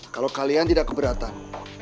kalo kalian tidak keberatan